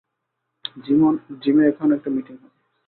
জিমে এখন একটা মিটিং হবে।